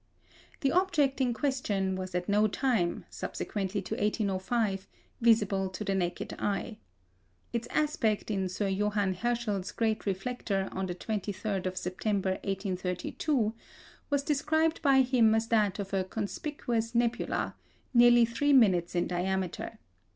The object in question was at no time, subsequently to 1805, visible to the naked eye. Its aspect in Sir John Herschel's great reflector on the 23rd of September, 1832, was described by him as that of a "conspicuous nebula," nearly 3 minutes in diameter.